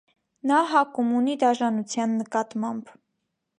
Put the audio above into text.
Նա հակում ունի դաժանության նկատմամբ։